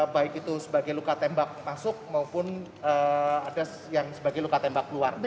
baik itu sebagai luka tembak masuk maupun ada yang sebagai luka tembak keluar